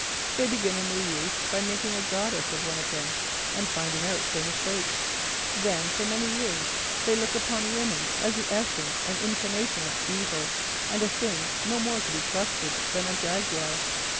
They begin in their youth by making a goddess of one of them, and finding out their mistake. Then for many years they look upon woman as the essence and incarnation of evil and a thing no more to be trusted than a jaguar.